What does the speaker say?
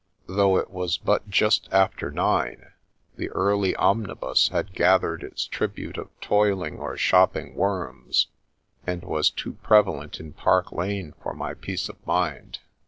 Though it was but just after nine, the early omni bus had gathered its tribute of toiling or shopping worms, and was too prevalent in Park Lane for my peace of mind.